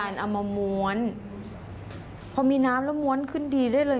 น้องต้องเอียด